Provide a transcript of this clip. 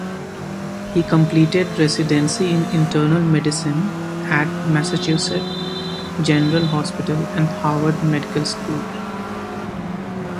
He completed residency in internal medicine at Massachusetts General Hospital and Harvard Medical School.